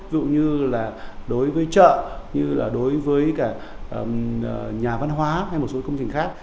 ví dụ như là đối với chợ như là đối với cả nhà văn hóa hay một số công trình khác